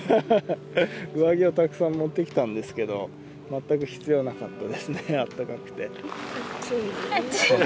上着をたくさん持ってきたんですけど、全く必要なかったですね、暑い。